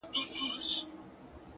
اخلاق د انسان تلپاتې ښکلا ده؛